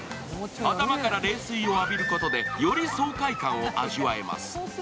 頭から冷水を浴びることで、より爽快感を味わえます。